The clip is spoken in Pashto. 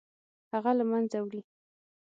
هغه له منځه وړي.